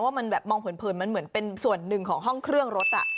ว่ามันแบบมองเผินมันเหมือนเป็นส่วนหนึ่งของห้องเครื่องรถ